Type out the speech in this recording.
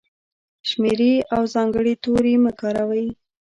شمېرې او ځانګړي توري مه کاروئ!.